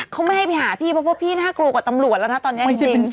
เขาไม่ให้ไปหาพี่เพราะว่าพี่น่ากลัวกว่าตำรวจแล้วนะตอนนี้จริง